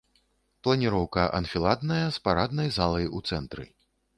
Планіроўка анфіладная з параднай залай у цэнтры.